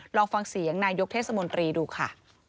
ลองฟังเสียงนายกเทศมนตรีดูค่ะ